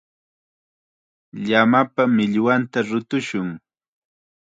Llamapa millwanta rutushun.